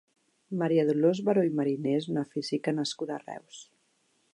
Maria Dolors Baró i Mariné és una física nascuda a Reus.